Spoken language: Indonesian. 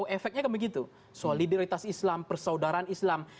efeknya kan begitu solidaritas islam persaudaraan islam